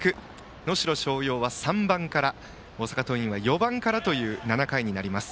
能代松陽は３番から大阪桐蔭は４番からという７回になります。